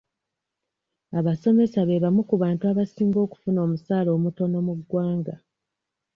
Abasomesa be bamu ku bantu abasinga okufuna omusaala omutono mu ggwanga.